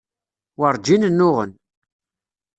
Werǧin nnuɣen.